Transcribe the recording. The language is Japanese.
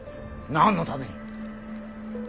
何のために。